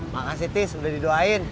makasih tis udah didoain